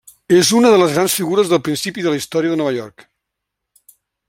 És una de les grans figures del principi de la història de Nova York.